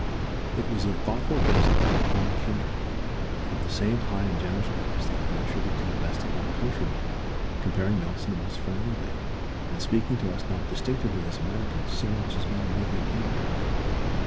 It was a thoughtful guest of our own kindred, of the same high and generous purpose that we attribute to the best of our countrymen, comparing notes in the most friendly way, and speaking to us not distinctively as Americans so much as men living in America.